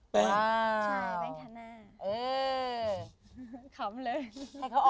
แป้งแป้งถ้าหน้า